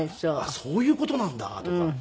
そういう事なんだとか。